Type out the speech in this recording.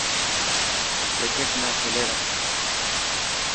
پيڪٽ نا ڪولي رکي.